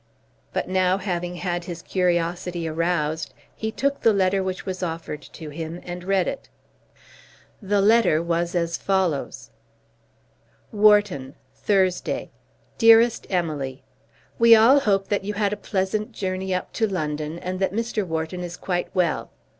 But now, having had his curiosity aroused, he took the letter which was offered to him and read it. The letter was as follows: Wharton, Thursday. DEAREST EMILY, We all hope that you had a pleasant journey up to London, and that Mr. Wharton is quite well.